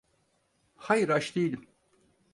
Hayır, aç değilim.